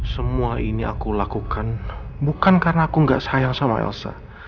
semua ini aku lakukan bukan karena aku gak sayang sama elsa